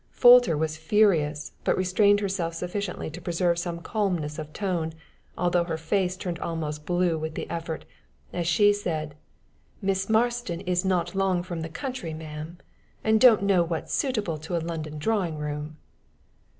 Folter was furious, but restrained herself sufficiently to preserve some calmness of tone, although her face turned almost blue with the effort, as she said: "Miss Marston is not long from the country, ma'am, and don't know what's suitable to a London drawing room."